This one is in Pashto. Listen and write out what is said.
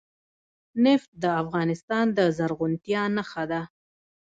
نفت د افغانستان د زرغونتیا نښه ده.